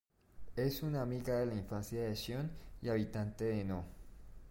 Es una amiga de la infancia de Shion y habitante de No.